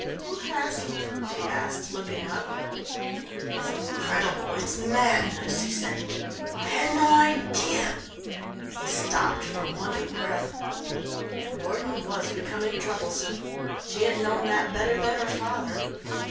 "Who hasn't?" she asked, looking up. "It is incredible! It's madness!" he said. "I had no idea " he stopped for want of breath. Mordon was becoming troublesome. She had known that better than her father.